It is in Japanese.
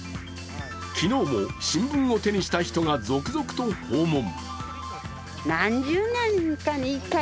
昨日も新聞を手にした人が続々と訪問。